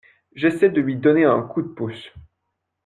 J’essaie de lui donner un coup de pouce.